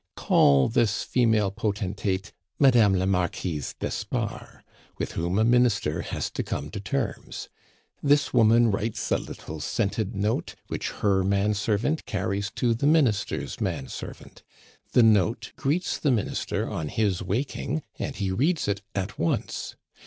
Call this female potentate Madame la Marquise d'Espard, with whom a Minister has to come to terms; this woman writes a little scented note, which her man servant carries to the Minister's man servant. The note greets the Minister on his waking, and he reads it at once.